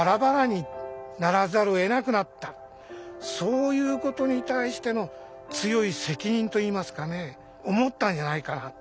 そういうことに対しての強い責任といいますかね思ったんじゃないかな。